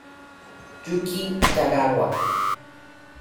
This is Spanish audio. Yūki Kagawa